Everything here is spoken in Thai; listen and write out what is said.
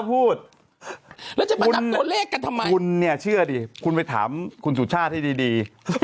พูดแล้วจะไปนับตัวเลขกันทำไมคุณเนี่ยเชื่อดิคุณไปถามคุณสุชาติให้ดี